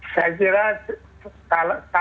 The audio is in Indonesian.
saya juga tidak tahu